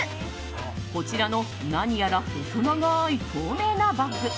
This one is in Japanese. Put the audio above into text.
こちらの何やら細長い透明なバッグ。